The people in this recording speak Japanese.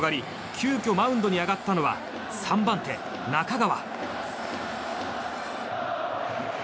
急きょマウンドに上がったのは３番手、中川。